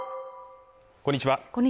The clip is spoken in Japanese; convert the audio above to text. こんにちは